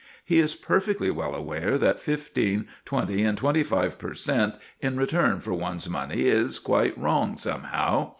He is perfectly well aware that fifteen, twenty, and twenty five per cent. in return for one's money is quite wrong somehow.